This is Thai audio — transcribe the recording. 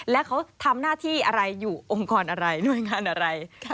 แล้วเขาทำหน้าที่อะไรอยู่องค์กรอะไรหน่วยงานอะไร